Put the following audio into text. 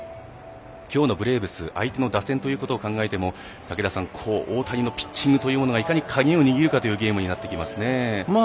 きょうのブレーブス相手の打線ということを考えても、大谷のピッチングがいかに鍵を握るかというゲームになってきますよね。